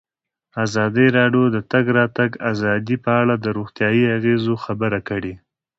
ازادي راډیو د د تګ راتګ ازادي په اړه د روغتیایي اغېزو خبره کړې.